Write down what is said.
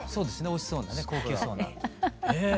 おいしそうなね高級そうな。